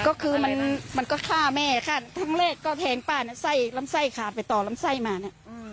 ก็คือมันก็ฆ่าแม่ฆ่าครั้งแรกก็แทงป้าเนี่ยไส้ลำไส้ขาดไปต่อลำไส้มาเนี่ย